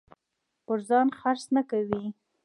پر ځان خرڅ نه کوي.